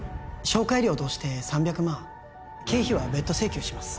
紹介料として３００万経費は別途請求します